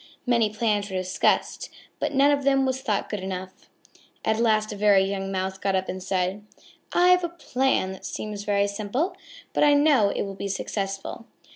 Many plans were discussed, but none of them was thought good enough. At last a very young Mouse got up and said: "I have a plan that seems very simple, but I know it will be successful.